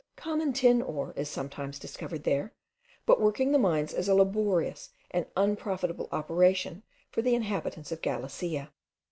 Common tin ore is sometimes discovered there, but working the mines is a laborious and unprofitable operation for the inhabitants of Galicia.